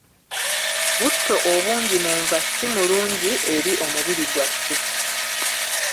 Butto obungi mu nva si mulungi eri omubiri gwaffe.